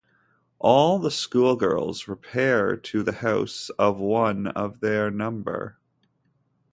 All the schoolgirls repair to the house of one of their number.